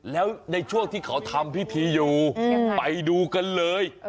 แล้วในช่วงที่เขาทำพิธีอยู่ไปดูกันเลย